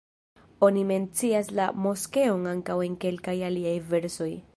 Oni mencias la moskeon ankaŭ en kelkaj aliaj versoj.